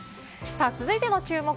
続いての注目